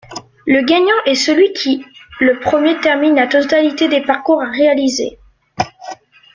Le gagnant est celui qui le premier termine la totalité des parcours à réaliser.